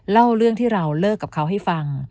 เล่าเรื่องที่เราเลิกกับเขาให้ฟัง